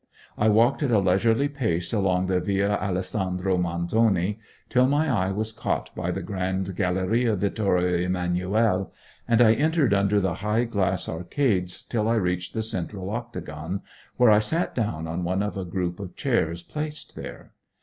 I walked at a leisurely pace along the Via Allesandro Manzoni till my eye was caught by the grand Galleria Vittorio Emanuele, and I entered under the high glass arcades till I reached the central octagon, where I sat down on one of a group of chairs placed there.